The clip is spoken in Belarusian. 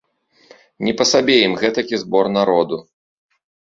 Ні па сабе ім гэтакі збор народу.